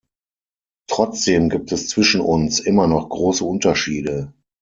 Trotzdem gibt es zwischen uns immer noch große Unterschiede.